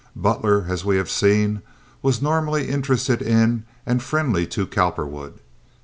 Butler, as we have seen, was normally interested in and friendly to Cowperwood.